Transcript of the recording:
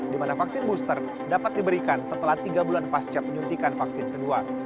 di mana vaksin booster dapat diberikan setelah tiga bulan pasca penyuntikan vaksin kedua